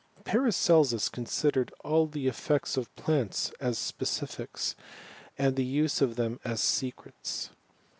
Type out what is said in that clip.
Paracelsus considered all the effects of plants as specifics, and the use of them as secrets.